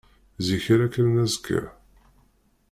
Zik ara kkren azekka?